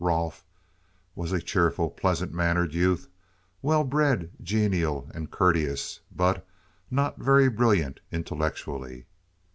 Rolfe was a cheerful, pleasant mannered youth, well bred, genial, and courteous, but not very brilliant intellectually.